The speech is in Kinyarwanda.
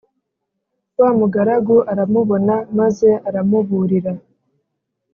wamugaragu aramubona maze aramuburira